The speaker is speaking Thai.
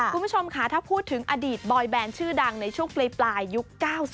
คุณผู้ชมค่ะถ้าพูดถึงอดีตบอยแบนชื่อดังในช่วงปลายยุค๙๐